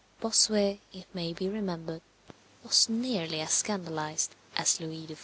Bossuet, it may be remembered, was nearly as scandalized as Louis XIV.